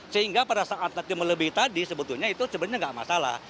sehingga pada saat atletnya melebihi tadi sebetulnya itu sebenarnya nggak masalah